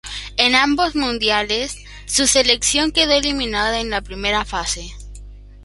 En ambos mundiales, su selección quedó eliminada en la primera fase.